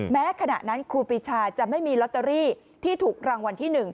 ขณะนั้นครูปีชาจะไม่มีลอตเตอรี่ที่ถูกรางวัลที่๑